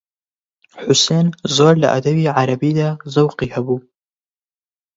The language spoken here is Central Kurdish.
حوسێن زۆر لە ئەدەبی عەرەبیدا زەوقی هەبوو